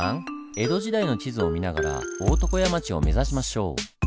江戸時代の地図を見ながら大床屋町を目指しましょう。